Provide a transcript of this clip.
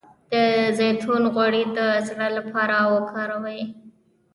د زیتون غوړي د زړه لپاره وکاروئ